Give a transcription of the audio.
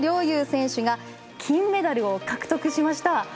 侑選手が金メダルを獲得しました。